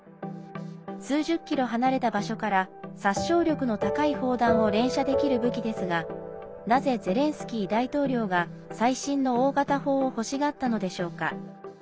数十キロ離れた場所から殺傷力の高い砲弾を連射できる武器ですがなぜ、ゼレンスキー大統領が最新の大型砲を欲しがったのでしょうか。